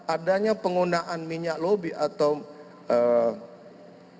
adanya penggunaan minyak lobby atau minyak lobby yang berada di gedung kejaksaan